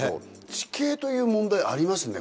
地形という問題ありますね